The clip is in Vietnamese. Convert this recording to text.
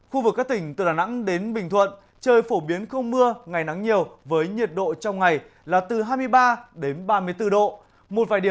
khu vực các tỉnh từ đà nẵng đến bình thuận trời phổ biến không mưa ngày nắng nhiều với nhiệt độ trong ngày là từ hai mươi ba đến ba mươi bốn độ